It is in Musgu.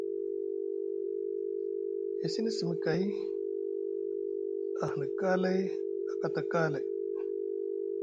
E sini simi kay, ahani kaalay, a kata kaalay.